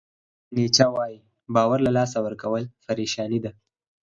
فریدریک نیچه وایي باور له لاسه ورکول پریشاني ده.